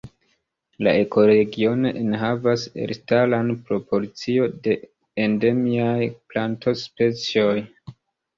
La ekoregiono enhavas elstaran proporcion de endemiaj plantospecioj.